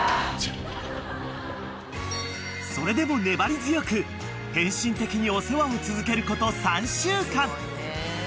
［それでも粘り強く献身的にお世話を続けること３週間］